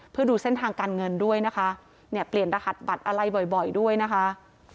เพื่อดูเส้นทางการเงินด้วยนะคะเนี่ยเปลี่ยนรหัสบัตรอะไรบ่อยด้วยนะคะ